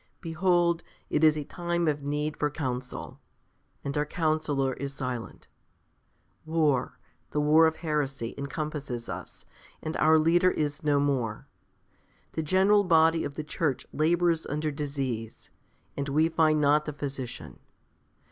Behold, it is a time of need for counsel; and our counsellor is silent. War, the war of heresy, encompasses us, and our Leader is no more. The general body of the Church labours under disease, and we find not the physician.